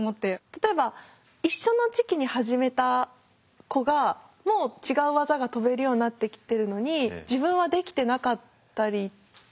例えば一緒の時期に始めた子がもう違う技が跳べるようになってきてるのに自分はできてなかったり。